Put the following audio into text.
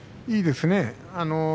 いいですね。